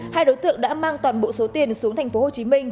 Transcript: hai đối tượng đã mang toàn bộ số tiền xuống thành phố hồ chí minh